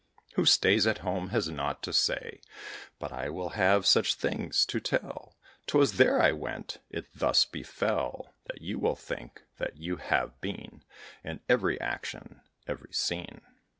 Who stays at home has nought to say; But I will have such things to tell, 'Twas there I went,' 'It thus befel,' That you will think that you have been In every action, every scene."